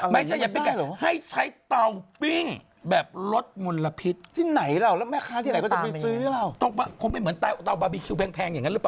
ไม่ใช่อย่าปิ้งไก่ให้ใช้เต่าปิ้ง